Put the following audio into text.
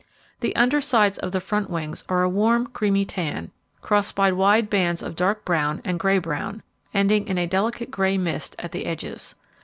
The under sides of the front wings are a warm creamy tan, crossed by wide bands of dark brown and grey brown, ending in a delicate grey mist at the edges.